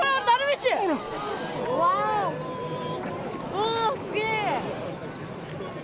おおすげえ。